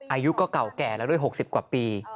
อายุก็เก่าแก่แล้วด้วย๖๐กว่าปี